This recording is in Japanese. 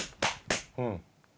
うん。